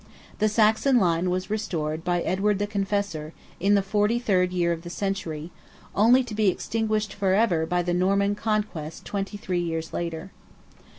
The Saxon line was restored by Edward "the Confessor;" in the forty third year of the century, only to be extinguished for ever by the Norman conquest twenty three years later.